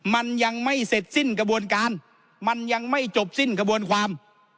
มันยังไม่เสร็จสิ้นกระบวนการมันยังไม่จบสิ้นกระบวนความ